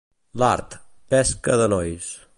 L'art, pesca de nois.